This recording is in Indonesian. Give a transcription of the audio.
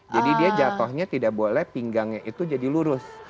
jadi dia jatohnya tidak boleh pinggangnya itu jadi lurus